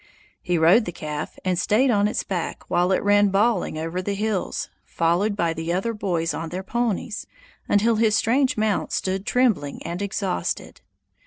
He rode the calf, and stayed on its back while it ran bawling over the hills, followed by the other boys on their ponies, until his strange mount stood trembling and exhausted.